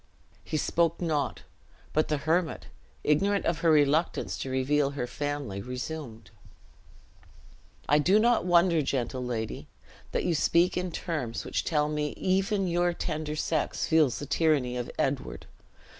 He spoke not; but the hermit, ignorant of her reluctance to reveal her family, resumed: "I do not wonder, gentle lady, that you speak in terms which tell me even your tender sex feels the tyranny of Edward.